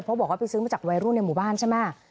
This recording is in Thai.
เพราะบอกว่าไปซื้อมาจากวัยรุ่นในหมู่บ้านใช่ไหม